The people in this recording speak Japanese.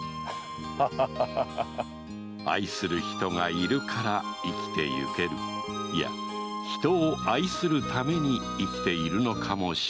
愛する人がいるから生きていけるいや人を愛するために生きているのかもしれない